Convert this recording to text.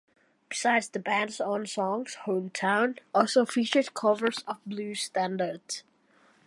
Beside the band's own songs, "Hometown" also featured covers of blues standards.